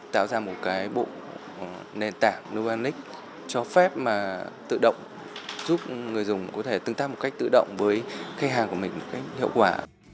tạo ra một cái bộ nền tảng novanx cho phép mà tự động giúp người dùng có thể tương tác một cách tự động với khách hàng của mình một cách hiệu quả